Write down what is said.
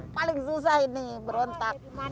paling susah ini berontak